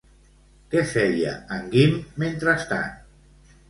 Què feia en Guim mentrestant?